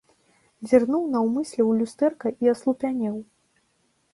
Зірнуў наўмысля ў люстэрка і аслупянеў.